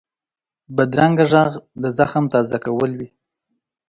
بدرنګه غږ د زخم تازه کول وي